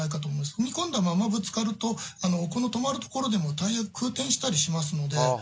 踏み込んだままぶつかると、この止まるところでもタイヤが空転したりしますので。